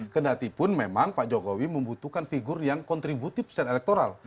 kedatipun memang pak jokowi membutuhkan figur yang kontributif secara elektoral